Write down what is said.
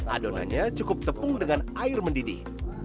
adonannya cukup tepung dengan air mendidih